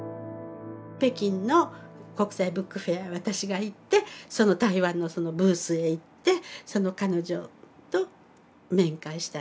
北京の国際ブックフェアへ私が行ってその台湾のブースへ行って彼女と面会したんです。